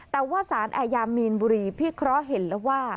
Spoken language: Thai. แต่ว่าสารอายามีนบุรีพิเคราะห์เห็นแล้วว่า